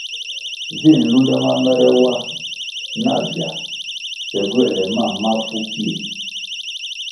Vi nlunde ma mèrè wa na vya pe gywoēle mam mafu pfie.